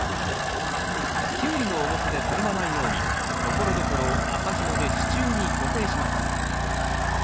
キュウリの重さでたるまないようにところどころを麻ひもで支柱に固定します。